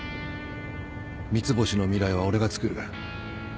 三ツ星の未来は俺がつくる